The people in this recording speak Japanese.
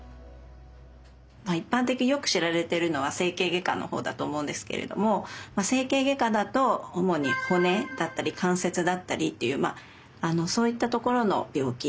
一般的によく知られてるのは整形外科の方だと思うんですけれども整形外科だと主に骨だったり関節だったりっていうそういったところの病気。